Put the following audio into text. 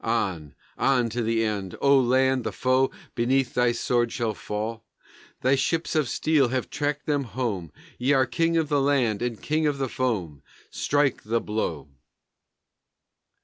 On, on to the end, O land, the foe Beneath thy sword shall fall, Thy ships of steel have tracked them home, Ye are king of the land and king of the foam. Strike the blow!